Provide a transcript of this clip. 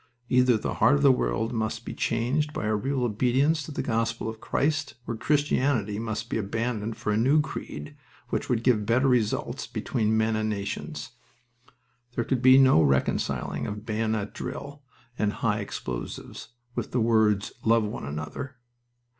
Either the heart of the world must be changed by a real obedience to the gospel of Christ or Christianity must be abandoned for a new creed which would give better results between men and nations. There could be no reconciling of bayonet drill and high explosives with the words "Love one another."